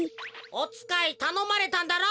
おつかいたのまれたんだろ？